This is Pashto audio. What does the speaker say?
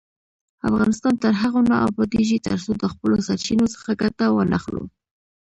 افغانستان تر هغو نه ابادیږي، ترڅو د خپلو سرچینو څخه ګټه وانخلو.